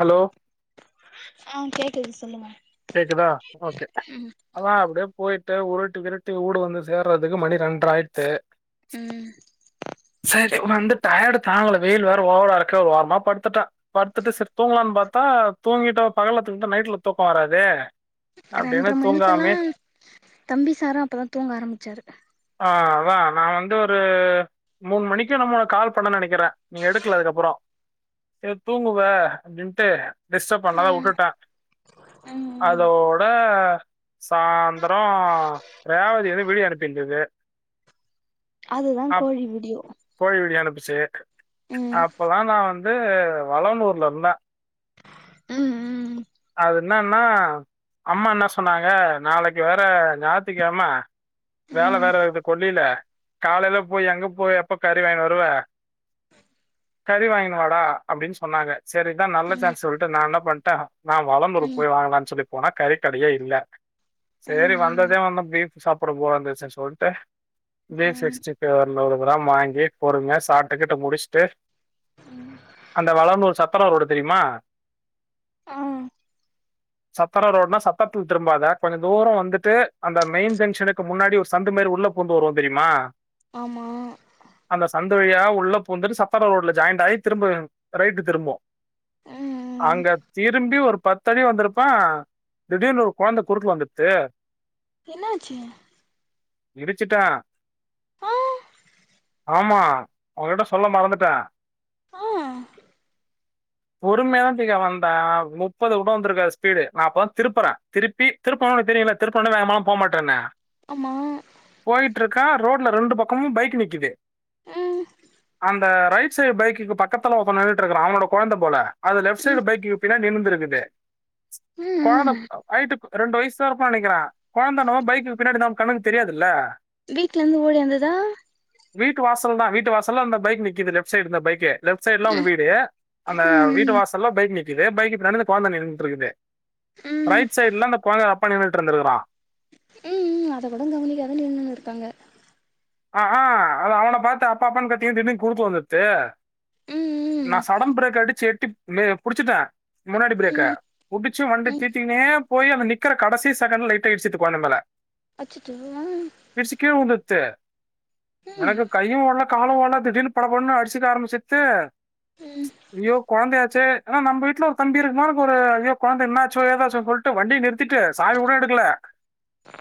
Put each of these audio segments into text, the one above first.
Hello ஆ கேக்குது சொல்லுங்க கேக்குதா ஓகே அதான் அப்படியே போயிட்டு உருட்டி திரட்டி ஊடு வந்து சேர்றதுக்கு மணி ரெண்டரை ஆயிடுச்சு ம்ம் சரி வந்த டயர்டு தாங்கல வெயில் வேற ஓவர இருக்கு ஒரு ஒரமா படுத்துட்டன் படுத்துட்டு சரி தூங்கலான்னு பாத்தா தூங்கிட்டோம் பகல்ல தூங்கிட்டா நைட்ல தூக்கம் வராது அப்டின்னு ரெண்டரை தூங்காமே மணிக்கெல்லாம் தம்பி சாரும் அப்பதான் தூங்க ஆரம்பிச்சாரு ஆ அதான் நான் வந்து ஒரு மூணு மணிக்கும் என்னமோ கால் பண்ண நினைக்கிறேன் நீங்க எடுக்கல அதுக்கு அப்புறம் நீ தூங்குவ அப்படின்ட்டு டிஸ்டர்ப் பண்ணா ம் வுட்டுட்டேன் ம் ம் அதோட சாயந்திரம் ரேவதி எதோ வெளிய அனுப்பி் இருந்தது அது தான் கோழி விடியும் கோழி விடிய அனுப்புச்சு அப்பதான் நான் வந்து வளனூர்ல இருந்தேன் ம் ம் அது என்னன்னா அம்மா என்ன சொன்னாங்க நாளைக்கு வேற ஞாயித்துகிழமை வேலை ம் வேற இருக்கு கொல்லைல காலையில போய் எங்க போய் எப்ப கறி வாங்கினு வருவ கறி வாங்கினு வாடா அப்படின்னு சொன்னாங்க சரிதான் நல்ல ம் சான்ஸ் சொல்லிட்டு நான் என்ன பண்ணிட்டேன் நான் வளனூர் ம் போய் வாங்கலான்னு சொல்லி போனா கறிக்கடையே இல்ல செரி ம் வந்ததே வந்தோம் பீப் சாப்பிட போலம் தச்சன் சொல்லிட்டு பீ ப் ம் சிக்ஸ்டி பைவ் ஒருநூறு கிராம் வாங்கி பொறுமையா சாப்பிட்டு கீட்டு முடிச்சுட்டு ம் அந்த வளனூர் ஒரு சத்தரம் ரோடு தெரியுமா ஆஹம் சத்தரம் ரோடுனா சத்தரத்தில திரும்பாத கொஞ்சம் தூரம் வந்துட்டு அந்த மெயின் ஜங்ஷனுக்கு முன்னாடி ஒரு சந்துமாரி உள்ள பூந்து வருவோம் தெரியுமா ஆமா அந்த சந்த வழியா உள்ள புந்து சத்தர ரோட்ல ஜாயிண்ட் ஆயி திரும்ப ரைட் திரும்புவோம் ஆஹ அஹ அங்க தீர் திரும்பி ஒரு பத்தடி வந்திருப்பான் திடீர்னு ஒரு கொழந்தை குறுக்க வந்துடுச்சு என்னாச்சு இடிச்சுட்டா ஆ ஆமா உங்ககிட்ட சொல்ல மறந்துட்டேன் ஆஹ் பொறுமையா தியா வந்தேன் முப்பது கூட வந்திருக்காது ஸ்பீடு அப்பதான் திருப்புறேன் திருப்பி திருப்புநொனா தெரியும்ல திருப்புனா வேகமாலாம் போகமாட்டேன்னு ஆமா போயிட்டு இருக்கேன் ரோட்ல ரெண்டு பக்கமும் பைக் நிக்குது ம் அந்த ரைட் சைடு பைக்கு பக்கத்துல ஒருத்தன் நின்னுட்டு இருக்குறான் அவனோட கொழந்த போல அது லெப்ட் ம் சைடு பைக்கு பின்னாடி நின்ன்னுட்டு இருக்குது கொழந்த ம் ஹைட்டுக்கு ரெண்டு வயசு தான் இருக்கும்னு நினைக்கிறேன் கொழந்த நம்ம பைக் பின்னாடி நம்ம கண்ணுக்கு தெரியாதுல்ல வீட்ல இருந்து ஓடி வந்ததா வீட்டு வாசல் தான் வீட்டு வாசல்ல அந்த பைக் நிக்கிது லெப்ட் சைடு இந்த பைக்கு லெஃப்ட் சைடு்லாம் ஒரு ம் வீடு அந்த வீட்டு ம் வாசல்லாம் பைக் நிக்கிது பைக் இப்படி நடந்து கொழந்த நின்னுட்டு இருக்குது ம் ரைட் சைட்ல அந்த கொழந்தையோட அப்பா நின்னுட்டு இருந்திருக்கறான் ம் ம் அத கூட கவனிக்காக தா நின்னு இருக்காங்க அஹா அது அவன பாத்து அப்பா அப்பான்னு கத்தீங்க திடீர்னு குருக்குல வந்துருச்சு ம் நா ம் சடன் பிரேக் ஆடிச்சி எட்டி மே புடிச்சுட்டே முன்னாடி பிரேக்க ம் புடிச்சு வண்டி ம் தீத்திக்கின்னே போயி அந்த நிக்கிற கடைசி செகண்ட் லைட்ட இடிச்சுக்கு [unintelligible] அச்சச்சோ ஆ பெருசு கீழ உந்துத்து ம் எனக்கு கையு ஓடல காலு ஓடல திடீர்னு பட படனு அடிச்சிக்க ஆரமிச்சிட்டு ம் ஐயோ கொழந்தையாச்சே ஏன்னா நம்ம வீட்ல ஒரு தம்பி இருக்குன எனக்கு ஒரு ஐய கொழந்த என்ன ஆச்சோ ஏதாச்சோ சொல்ட் வண்டி நிறுத்திட்டு சாவி கூடோ எடுக்கல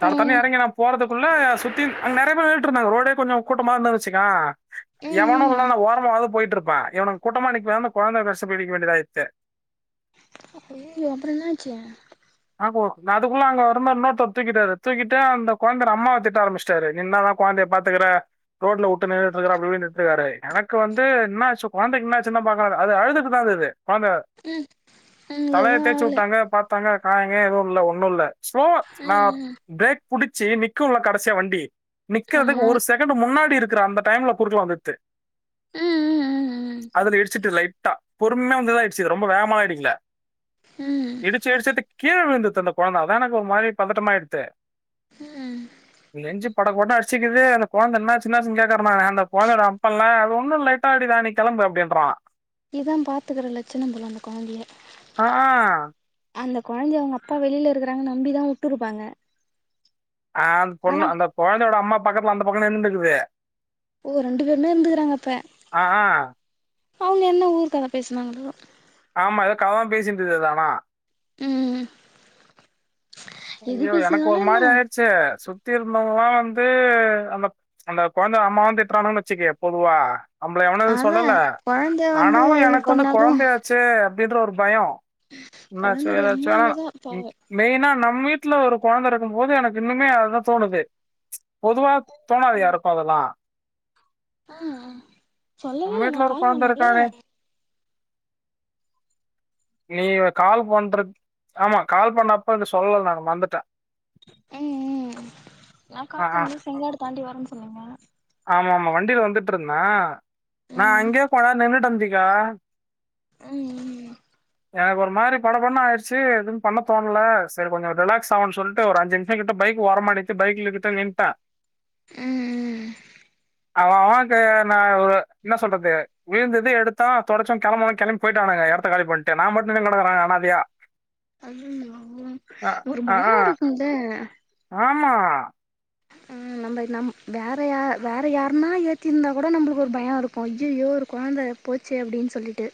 தட தடன்னு நா ம் எறங்கி நா போறக்குள்ள சுத்தி அங்க நெறைய பேர் [unintelligible] ரோடே கொஞ்ச கூட்டமாதா இருந்துச்சு வெச்சுக்கவே எவனு ம் இல்லனா நா ஓரமாவது போயிட்டு இருப்பா இவனு கூட்டமா நிக்கவு அந்த கொழந்த கஷ்டப்பட்டு நிக்கவேன்டியதாய்ட்டு ஐய்யய்யோ அப்றோ என்னாச்சு [inaudible] ஆஹு நா அதுக்குள்ள அங்க இருந்த ஒரு அண்ண தூக்கிட்டாரு தூக்கிட்டு அந்த கொழந்தையோட அம்மா திட்ட ஆரம்பச்சிட்டுடாறு கொழந்தைய பாத்துக்கிற ரோட்ல விட்டு நின்றுட்டு இருக்காரு அப்படின் இன்னுட்டு இருக்காரு எனக்கு வந்து என்னச்சு கொழந்தைக்கு என்னாச்சுனா பாக்கிறு அது அழுதுட்டு தா இருக்குது கொழந்த ம் ம் தலையை எதுவும் தேச்சு ஆகல விட்டாங்க பாத் பாத்தாங்க காயங் கீயோ எதுவு இல்ல ஒண்ணு இல்ல ஸ்லோவா நா ம் பிரேக் புடிச்சி நிக்கு இல்ல கடைசியா வண்டி நிக்கிறதுக்கு ஒரு ஆமாம் செகண்ட் முன்னாடி இருக்குகிற அந்த டைம்ல குறுக்குல வந்துட்டு ம் ம் ம் அதுல இடுடிச்சிசு லைட்டா பொறுமையா வந்து இடிச்சிது ரொம்ப வேகமால இடிக்கல ம் ம் சேரி சேரி இடிச்ச கீழே விழுந்தது அந்த குஒழந்த அதா எனக்கு ஒரு மாரி பதட்டமாயிடுத்து ம் நெஞ்சு பட பட சிக்குது அந்த கெழந்தை என்னாச்சு என்னாச்சு கேக்கற நானு அந்த கொழந்தைதோட அப்ப இல்ல அது ஒன்னு லைட்டா அடி தா நீ கெளம்பு அப்டின்றா இதா பாத்துக்கிற லச்சினமா அந்த கொழந்தைய ஆ அந்த கொழந்தை அவங்க அப்பா வெளில இருக்கறாங்கன்னு நம்பிதா விட்டு இருப்பாங்க ஆ அந்த பொண்ணு அந்த கொழந்தையோட அம்மா பக்கத்துல அந்த பக்க நின்னுட்டு இருக்குது ஓ ரெண்டு பேருமே இருந்துக்கறாங்க அப்ப ஆ அவங்க என்ன ஊரு கத பேசினாங்களோ ஆமா எதோ கத தா பேசுட்டு இருந்துதானு ஆனா ம் எது ஐயோ எனக்கு ஒரு பேசினாலும் என்ன மாரி ஆயிடுச்சு சுத்தி இருந்தவங்கல்லா வந்து அந்த அந்த கொழந்த அம்மாவ திட்டுறானுன்னு வெச்சுகவே பொதுவா நம்பள எவனு எது சொல்லல அதான் குழந்தை வந்து ஆனாலு எது எனக்கு வந்து பண்ணாலும் கொழந்தையாச்சே அப்டின்ற ஒரு பயோ என்னாச்சோ குழந்தையுடைய ஏதாச்சோ அம்மா அங்கே தான் பாவம் மெயினா நம்ம வீட்ல ஒரு கொழந்த இருக்கும் போது எனக்கு இன்னுமே அதுதா தோணுது பொதுவா தோணாது யாருக்கு அதெல்லா ஆ சொல்லவே நம்ம இல்லை வீட்ல நான் ஒரு கால் கொழந்தை பண்ணல இருக்கானே [inaudible] நீ கால் பண்ற ஆமா கால் பண்ணப்ப [unintelligible] சொல்லல நானு மறந்திட்டே ம் ம் ம் நா ஆ கால் ஆ பண்ணும் போது சொங்காடு தாண்டி வரேன்னு சொன்னீங்க ஆமா ஆமா வண்டியில வந்துட்டு இருந்தே நா ம் அங்கயே போன நின்னுட்டு இருந்துங்கிகோ ஆ ம் ம் எனக்கு ஒரு மாதிரி பட பட ஆயிடுச்சு எதுவு பண்ண தோணல சேரி கொஞ்ச ரிலாக்ஸ் ஆகன்னு சொல்லிட்டு ஒரு அஞ்சு பையா கிட்ட பைக்க ஓரமா நிறுத்தி பைக்கில இவத்த நின்ட்டே ம் ம் ம் ம் அவ அவ அது நா ஒரு என்ன சொல்றது விழுந்தது எடுத்தே தொடச்சே கிளம்பினே கிளம்பி போயிட்டானுங்க இடத்தை காலி பண்ணிட்டு நா மட்டு நின்னுகிறா அனாதயா ஐயையோ ஒரு பயம் இருக்குல்ல ஆம்மா [inaudible] பை நம் வேற யா வேற யாரனா ஏத்திருந்தா கூட நம்மளுக்கு ஒரு பயம் இருக்கு ஐயையோ ஒரு குழந்தா போயிச்சே அப்புடின்னு சொல்லிட்டு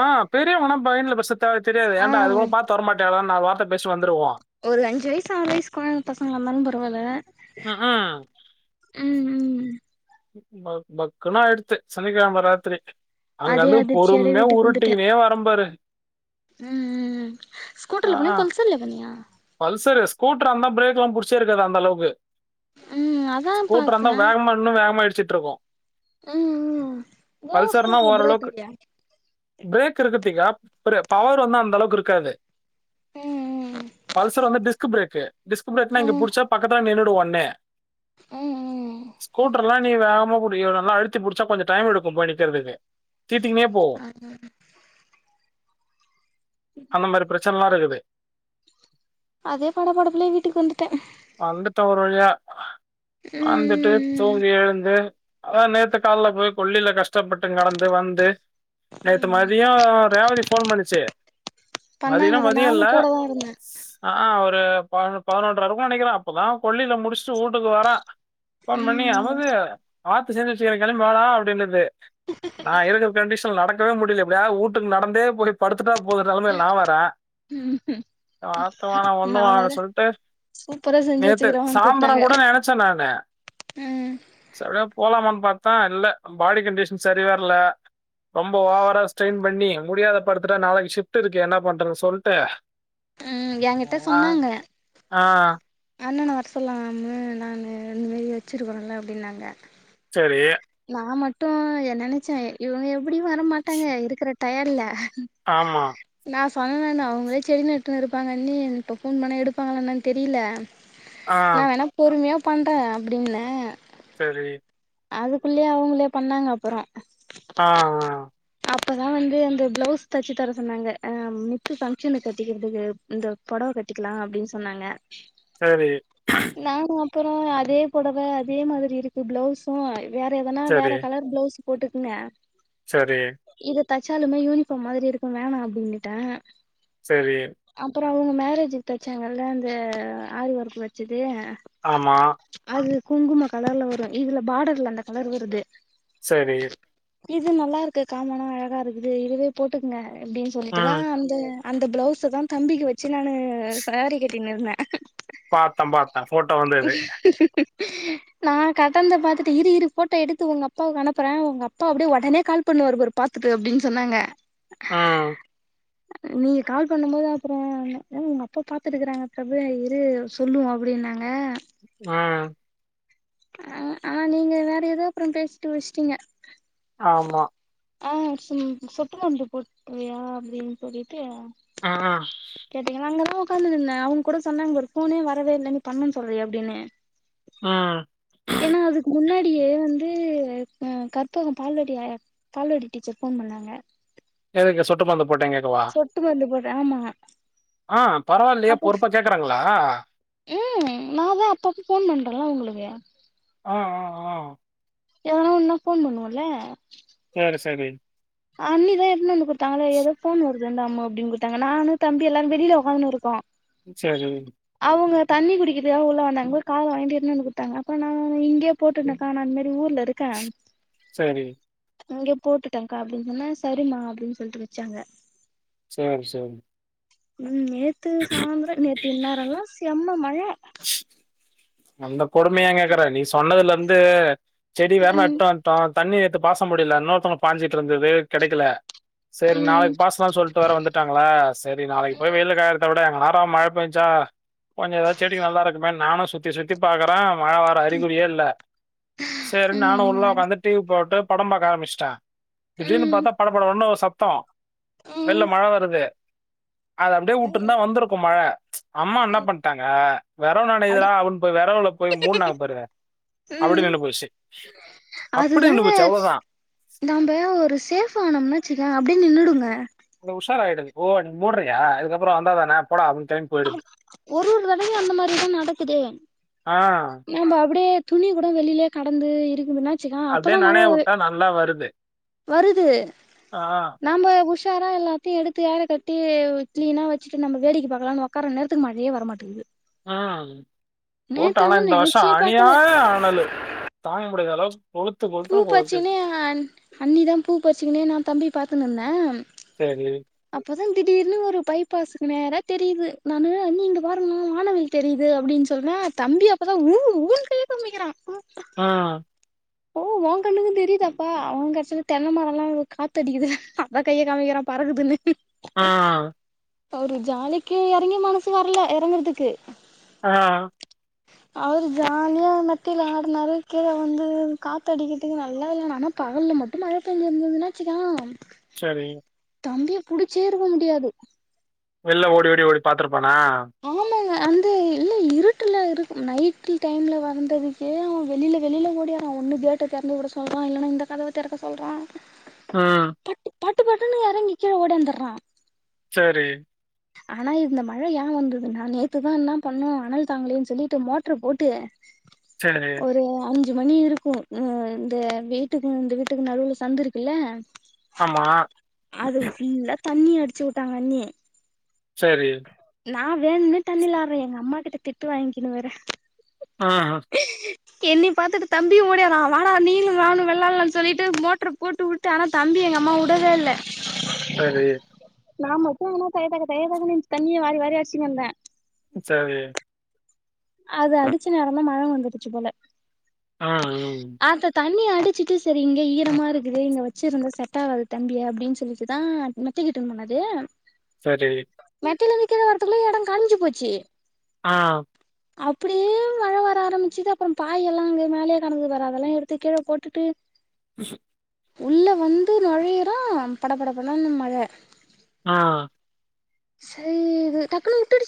ஆ பெரியவங்னா பயன்லா பஸ்ச்தா தெரியாத ஆ ஏன்டா அது கூட பாத்து வரமாட்டியாடா நாலு வார்த்த பேசி வந்துருவோ ஒரு அஞ்சு வயசு ஆறு வயசு குழந்த பசங்களங்களா இருந்தாலு பரவால்ல ஆ ஆ ம் ம் ம் பக் பக்குனு ஆயிடுத்து சனி கிழமா ராத்திரி அங்க அதே இருந்து அதிர்ச்சியோட பொறுமையா வீட்டுக்கு வந்துட்டே உருட்டிகினே வரம் பாரு ம் ம் ம் ஸ்கூட்டர்ல போனியா பல்சர்ல போனியா பல்சரு ஸ்கூட்ரா இருந்தா பிரேக்லா பிடிச்சே இருக்காது அந்த அளவுக்கு ம் அதா ஸ்கூட்டரா இருந்தா பாத்தே வேகமா இன்னு வேகமா இடுச்சுட்டு இருக்கு ம் ம் ஏ பல்சர்னா ஸ்கூட்டர்ல பிரேக் ஓரளவுக்கு இல்லையா பிரேக் இருக்குத்திக்கா பாரு பவர் வந்து அந்த அளவுக்கு இருக்காது ம் ம் ம் பல்சர் வந்து டிஸ்க் பிரேக்கு டிஸ்க் பிரேக்னா ம் இங்க புடிச்சா பக்கத்துல நின்னுடூ ஒன்னே ம் ம் ஸ்கூட்டர்லா நீ வேகமா புடிக்கினு நல்லா அழுத்தி புடிச்சா கொஞ்சொ டைம் எடுக்கும் போயி நிக்கரதுக்கு தீத்தீங்னே போ ஆமா அந்த மாறி பிரச்சனலா இருக்குது அதே படப்படப்புலே வீட்டுக்கு வந்துட்டே வந்துட்ட ஒரு வழியா வந்துட்டு ம் தூங்கி எழுந்து அதா நேத்து கால்ல போயி கொல்லில கஷ்டப்பட்டுனு கடந்து வந்து நேத்து மதியே ரேவதி போன் பண்ணுச்சு மதியனா பண்ணாங்க அத மதியா நானு இல்ல கூட தா இருந்தே ஸ் ஆ ஆஹா ஒரு பதினொன் பதினொன்ற இருக்கு நெனைக்றே அப்பதா கொல்லில முடிச்சுட்டு ஊட்டுக்கு வரே போன் பண்ணி ம் அமுது வாத்து செஞ்சு வச்சுக்றே கெளம்பி வாடா அப்டின்னுது நா இருக்கிற கண்டிஷன்லா நடக்கவே முடியல எப்டியாது ஊட்டுக்கு நடந்தே போய் படுத்துட்டா போதுனுற நிலைமைல நா வரே ம் ம் ஆ வாத்து வேனா ஒன்னு வேனா சொல்லிட்டு சூப்பரா செஞ்சு நேத்து வச்சுக்கிறவான்னு சாந்தரா கூப்ட்டாங்க கூட நெனைச்ச நானு ம் சரி போலாமான்னு பாத்தா இல்ல பாடி கண்டிஷன் சரி வர்ல ரொம்ப ஓவரா ஸ்ட்யின் பண்ணி முடியாத படுத்துட்டா நாளைக்கி ஷிப்ட் இருக்கு என்னா பண்றதுனு சொல்ட்டு ம் நே என்கிட்ட வா ஆ ஆ அண்ணனா வர சொல்ல அம்மு நானு இந் மாறி வச்சிருக்கோல அப்டின்னாங்க சரி நா மட்டு ஏ நெனைச்சே இவுங்க எப்டியு வரமாட்டாங்க இருக்குற டயடுல ஆமா நா சொன்னண்ணா அவுங்களே செடி நட்டுனு இருப்பாங்கண்ணி இப்ப ஃபோன் பண்ணா எடுப்பாங்களா என்னானு தெரில ஆ நா வேண்ணா பொறுமயா பண்றே அப்டின்னே செரி அதுக்குள்ளயே அவுங்ளே பண்ணாங்க அப்றோ ஆ ஆ அப்பதா வந்து அந்த பிளவுஸ் தச்சு தர சொன்னாங்க ஆ மித்து ஃபங்க்ஷனு கட்டிக்கிறதுக்கு இந்த பொடவ கட்டிக்லா அப்டின்னு சொன்னாங்க சரி நானு அப்பறொ அதே பொடவ அதே மாதிரி இருக்கு பிளவ்ஸு வேற எதனா வேற சரி கலர் பிளவ்ஸ் போட்டுக்கினு சரி இது தச்சாலுமே யூனிஃபார்ம் மாதிரி இருக்கு வேணா அப்டின்னுட்ட சரி அப்பறொ அவுங்க மேரேஜுக்கு தச்சாங்கல்ல இந்த ஆரி ஒர்க்கு வச்சது ஆமா அது குங்கும கலர்ல வரு இதுல பாடர்ல அந்த கலர் வருது சரி இது நல்லா இருக்கு காமனா அழகா இருக்குது இதுவே போட்டுக்கங்க அப்டின்னு சொல்லிட்டுதா ம் அந்த அந்த பிளவுஸதா தம்பிக்கு வச்சு நானு சாரி கட்டினு இருந்தே பார்த்தேன் பார்த்தேன் போட்டோ உ வந்தது நா கட்டனத பாத்துட்டு இரு இரு ஃபோட்டோ எடுத்து உங்க அப்பாவுக்கு அனுப்புறே உங்க அப்பா அப்டியே ஒடனே கால் பண்ணுவாரு பாரு பாத்துட்டு அப்டின்னு சொன்னாங்க ஆ நீங்க கால் பண்ணும் போது அப்றோ ந்த அதா உங்க அப்பா பாத்துட்டுக்கறாங்க பிரபு இரு சொல்லுவோ அப்பிடினாங்க ஆ ஆ ஆ நீங்க வேற எதோ அப்றோ பேசிட்டு வச்டீங்க ஆமா ஆ சும் சொட்டு மருந்து போட்டுயா அப்டின்னு சொல்லிட்டு ம் ம், கேட்டீங்க நா அங்கதா உக்காந்திருந்தே அவங் கூட சொன்னாங்க ஒரு ஃபோனே வரவே இல்ல நீ பண்ணேன்னு சொல்றியே அப்டின்னு ம் ஏன்னா அதுக்கு முன்னாடியே வந்து ஆ கற்பகம் பால்வாடி ஆயா பால்வாடி டீச்சர் ஃபோன் பண்ணாங்க எதுக்கு சொட்டு மருந்து போட்டீங் கேக்கவா சொட்டு மருந்து போடுற ஆமா ஆ பரவால்லயே அப்ப பொறுப்பா கேக்கறாங்களா ம் நாதா அப்பப்ப ஃபோன் பண்றல்ல அவுங்களுக்கு ஆ ஆ ஆ எதனா ஒன்னுனா ஃபோன் பண்ணுவல்ல சேரி செரி அண்ணிதா எடுத்னு வந்து குடுத்தாங்களே ஏதோ ஃபோன் வரு து இந்தாம்மா அப்டின்னு குடுத்தாங்க நானு தம்பி எல்லாரு வெளில உக்காந்துனு இருக்கோ ம் சரி அவங்க தண்ணி குடிக்கிறதுக்காக உள்ள வந்தாங்க காதுல வாங்கிட்டு எடுத்னு வந்து குடுத்தாங்க அப்பற நா இங்கயே போட்டு இருந்தக்கா நா இந்த மாரி ஊர்ல இருக்கே செரி இங்க போட்டுட்டேங்கா அப்டின்னு சொன்னா சரிமா அப்டின்னு சொல்லிட்டு வச்சாங்க செர் செரி உம் நேத்து சாந்திரம் நேத்து இன்னேரம்ல்லாம் செம்ம மழ அந்த கொடுமைய யா கேக்குற நீ சொன்னதுல இருந்து செடி வேமா ம் எட்டு வந்ட்டோம் தண்ணிர் ஏத்து பாச முடியல இன்னொருத்தவங்க பாஞ்சிட்டு இருந்தது கிடைக்கல செரி ம் நாளைக்கு பாச்லா சொல்லிட்டு வர வந்துட்டாங்களா செரி நாளைக்கு போய் வெயில்ல காயறத வுட எங்க நேரொ மழ பெஞ்சா கொஞ்சம் ஏதாவ்து செடிக்கு நல்லா இருக்குமேன் நானும் சுத்தி சுத்தி பாக்குறேன் மழ வர்ற அறிகுறியே இல்ல செரி நானு உள்ள ம் உக்காந்து டிவி போட்டு படம் ஆரம்புச்சுட்டேன் திடிர்னு ம் ம் பாத்தா படப்படனு ஒரு சத்தம் வெள்ள மழ வருது அது அப்டியே ம் வுட்ருந்தா வந்திருக்கும் மழ அம்மா என்ன பண்ணிட்டாங்க வெறவு அடு நனையுதுடா அப்டின் வெறவுல போய் மூடுனாங்க பாரு அப்டியே ம் நின்னு போச்சு அப்டியே நின்னு போச்சு அவ்ளோதான் நாம ஒரு சேஃப் ஆனோம்னு வச்சுக்கேன் அப்டியே நின்னுடுங்க கொஞ்சோ உஷாரா ஆயிடுது ஓ நீ மூட்றியா அதுக்கப்புறொ வந்தாதான போடா அப்டினு கெளம்பி போயிடுது. ஆம் ஒரு ஒரு தடையு அந்த மாரிதான் நடக்குது ஆ, நம்ப அப்டியே துணி கூட வெளியில கடந்து இருக்குதுனா அப்டியே நெனைய வுட்டா நல்லா வருது வருது ஆ, நாம்ப உஷாரா எல்லாத்தையும் எடுத்து ஏரொ கட்டி க்ளீனா வச்சுட்டு நம்ம வேடிக்க பாக்கலாம்னு ஒக் கார நேரத்துக்கு மழையே வர மாட்டிது ஆ போட்ட ஆனா இந்த வருஷம் நெனைச்சே பாக்கல அணியாயொ அனலு தாங்க முடியது அளவு பூ பச்சுக்கினே அண் அண்ணிதான் பூ பச்சுக்கனே நா தம்பிய பாத்துன்னுந்தேன் செரி அப்பதான் திடீர்னு ஒரு பைபாஸுக்கு நேரா தெரியுது நானு அண்ணி இங்க பாருங்களே வானவில் தெரியுது அப்டின்னு சொல்றே தம்பி அப்பதான் ஊ ஊனு கையே காமிக்கிறான் ஆ ஆ ஓ ஓன் கண்ணுக்கும் தெரியுதாப்பா அவுங்க கடச்சன தென்ன மரம்லா காத்து அடிக்குது அதான் கைய காமிக்கிறான் பறக்குதுனு ஆ ஆ ஒரு ஜாலிக்கு எறங்கிய மனசு வரல எறங்கறதுக்கு ஆ அவரு ஜாலியா மெத்தைல ஆடுனாரு கீழ வுழுந்து காத்து அடிக்கிட்டுக்கு நல்லா வேள ஆனா பகல்ல மட்டும் மழ பெஞ்சிருந்ததுனாச்சுக்கியாவ சரி தம்பிய புடிச்சே இருக்க முடியாது வெள்ள ஓடி ஓடி ஓடி பாத்துருப்பானா கட்டுல்ல இருக்றா நைட் நைட்ல டைம்ல வந்ததுக்கே அவன் வெளில வெளில ஓடி வாரான் ஒன்னு கேட்ட துறந்து விட சொல்றான் இல்லன்னா இந்த கதவ தெறக்க சொல்றான் ம் பட்டு பட்டுன்னு எறங்கி கீழ ஓடி வந்துர்றான் செரி ஆனா இந்த மழ ஏன் வந்ததுனா நேத்துதா என்ன பண்ணும் அனல் தாங்களேன்னு சொல்லிட்டு மோட்டரு போட்டு [unintelligible] ஒரு அஞ் அஞ்சு மணி இருக்கு அ இந்த வீட்டுக்கு இந்த வீட்டுக்கு நடுவுல சந்த இருக்குல்ல ஆமா. அது ஃபுல்ல தண்ணி அடிச்சு உட்டாங்க அண்ணி சரி நா வேண்னே தண்ணில ஆற்ற எங் அம்மாகுட்ட திட்டு வாங்க்கினு வேற அ அ கென்னி பாத்துட்டு தம்பியு ஓடியாரா வாடா நீலு நானு வெள்ளாலான் சொல்லிட்டு மோட்ரு போட்டு உட் டு ஆனா தம்பிய எங் அம்மா உடவே இல்ல சரி நா மட்டு ஆனா தைய தக்க தக்கன்ச்சி தண்ணிய வாரி வாரி அர்ச்சின் இர்ந்த சரி அது அடிச்சு நேரந்தா மழை வந்துடுச்சு போல அ அ அ த தண்ணி அடிச்சிட்டு சரி இங்க ஈரமாக இருக்குது இங்க வச்சுருந்த செட்ட ஆகாது தம்பி அப்டின் சொல்லிட்டு தா திகிட்டு போனது சரி மெத்தைலேந்து கீழ வரதுக்குள்ள எடோ காஞ்சி போச்சு ஆ அப்புடியே மழ வர ஆரமிச்சுது அப்புற பாயி எல்லா அங்க மேலயே கடந்து பாரு அதல்லா எடுத்து கீழ போட்டுட்டு ஹ உள்ள வந்து நொழையிற பட பட படன்னு மழ ஆ சை இது டக்குனு உட்டுடுச்